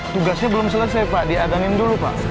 tugasnya belum selesai pak diadanin dulu pak